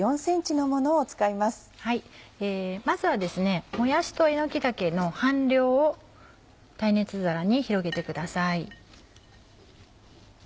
まずはもやしとえのき茸の半量を耐熱皿に広げてください。